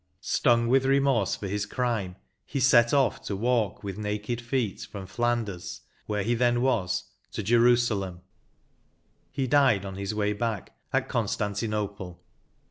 Stung with remorse for his crime, he set off to walk with naked feet, from Flanders, where he then was, to Jerusalem ; he died on his way back» at CoDstantinople.